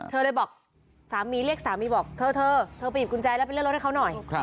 เธอเลยบอกสามีเรียกสามีบอกเธอเธอไปหยิบกุญแจแล้วไปเลื่อนรถให้เขาหน่อย